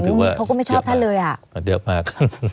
เขาก็ไม่ชอบท่านเลยอ่ะเดี๋ยวพากัน